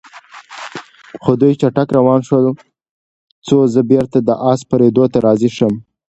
خو دوی چټک روان شول، څو زه بېرته د آس سپرېدو ته راضي شم.